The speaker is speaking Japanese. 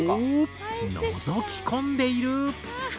おおっのぞき込んでいる！